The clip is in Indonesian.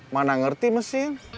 mana ngerti mesin